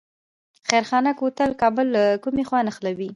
خیرخانه کوتل کابل له کومې خوا نښلوي؟